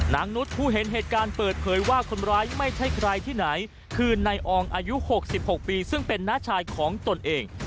นุษย์ผู้เห็นเหตุการณ์เปิดเผยว่าคนร้ายไม่ใช่ใครที่ไหนคือนายอองอายุ๖๖ปีซึ่งเป็นน้าชายของตนเอง